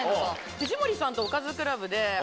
藤森さんとおかずクラブで。